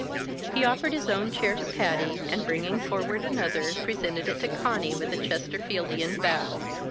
He offered his own chair to Patty, and bringing forward another, presented it to Conny with a Chesterfieldian bow.